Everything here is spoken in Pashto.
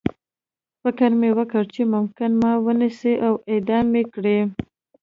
فکر مې وکړ چې ممکن ما ونیسي او اعدام مې کړي